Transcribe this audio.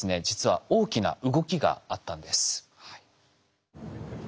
実は大きな動きがあったんです。